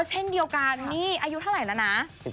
เช่นเดียวกันนี่อายุเท่าไหร่แล้วนะ